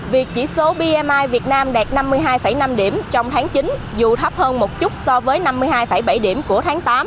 việc chỉ số bimi việt nam đạt năm mươi hai năm điểm trong tháng chín dù thấp hơn một chút so với năm mươi hai bảy điểm của tháng tám